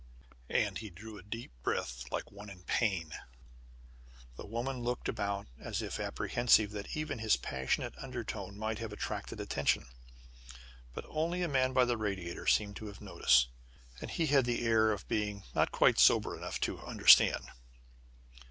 And he drew a deep breath like one in pain. The woman looked about as if apprehensive that even his passionate undertone might have attracted attention, but only a man by the radiator seemed to have noticed, and he had the air of being not quite sober enough to understand.